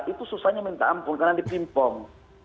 itu susahnya minta ampun karena dipimpong